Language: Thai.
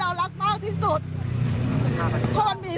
เรามายิ่งว่าวันนี้เราจะต้องมาทำแบบนี้